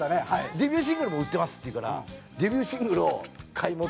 デビューシングルも売ってますって言うからデビューシングルを買い求めに行って。